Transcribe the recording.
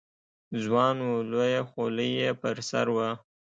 ځوان و، لویه خولۍ یې پر سر وه.